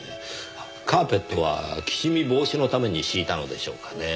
カーペットはきしみ防止のために敷いたのでしょうかね？